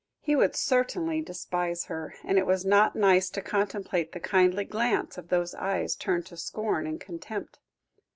He would certainly despise her; and it was not nice to contemplate the kindly glance of those eyes turned to scorn and contempt.